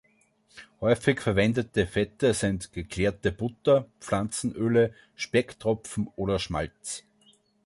Häufig verwendete Fette sind geklärte Butter, Pflanzenöle, Specktropfen oder Schmalz.